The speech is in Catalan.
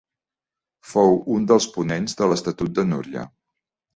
Fou un dels ponents de l'Estatut de Núria.